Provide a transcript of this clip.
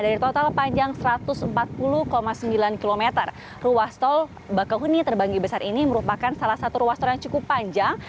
dari total panjang satu ratus empat puluh sembilan km ruas tol bakahuni terbanggi besar ini merupakan salah satu ruas tol yang cukup panjang